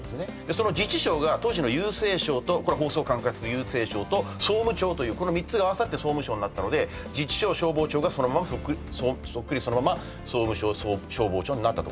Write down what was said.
その自治省が当時の郵政省とこれ放送を管轄する郵政省と総務庁という３つが合わさって総務省になったので自治省消防庁がそっくりそのまま総務省消防庁になったと。